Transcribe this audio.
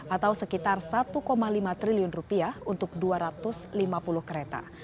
atau sekitar satu lima triliun rupiah untuk dua ratus lima puluh kereta